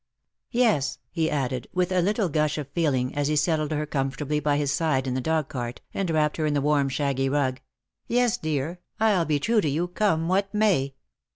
Yes," he added, with a little gush of feeling, as he settled her comfortably by his side in the dog cart, and wrapped her in the warm shaggy rug —" yes, dear, I'll be true to you, come what may."